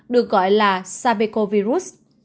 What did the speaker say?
được gọi là sabecovirus